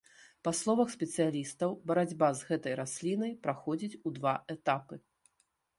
Па словах спецыялістаў, барацьба з гэтай раслінай праходзіць у два этапы.